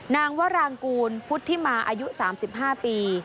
วรางกูลพุทธิมาอายุ๓๕ปี